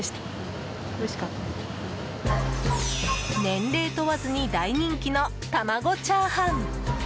年齢問わずに大人気の玉子チャーハン。